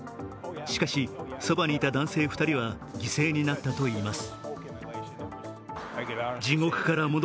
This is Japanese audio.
しかし、そばにいた男性２人は犠牲になったといいます。